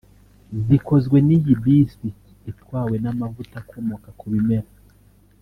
zikozwe n’iyi bisi itwawe n’amavuta akomoka ku bimera